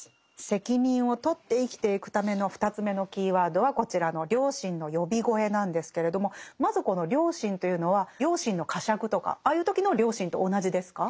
責任を取って生きていくための２つ目のキーワードはこちらの「良心の呼び声」なんですけれどもまずこの「良心」というのは良心の呵責とかああいう時の良心と同じですか？